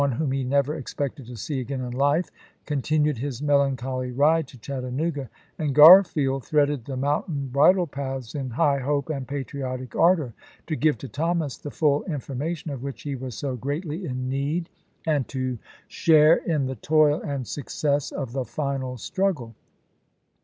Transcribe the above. whom he never expected to see again in life, con tinued his melancholy ride to Chattanooga, and ^^^^3^' Garfield threaded the mountain bridle paths in high hope and patriotic ardor, to give to Thomas the full information of which he was so greatly in need, and to share in the toil and success of the final struggle.